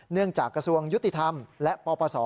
เนื่องจากกระทรวงยุติธรรมและปปศ